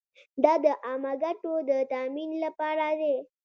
دا د عامه ګټو د تامین لپاره دی.